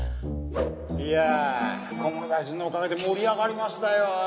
いや菰野大臣のおかげで盛り上がりましたよ